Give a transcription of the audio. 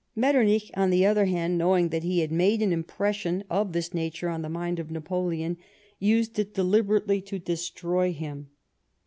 Metternich, on the other hand, knowing that he had made an impression of this nature on the mind of Napoleon, used it deliberately to destroy him.